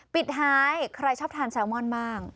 ปิดท้ายใครชอบทานแซลมอนบ้าง